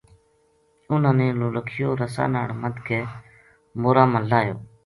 انھ نے نولکھیو رسا ناڑ مدھ کے مورا ما لاہیو